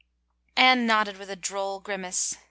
Anne nodded with a droll grimace.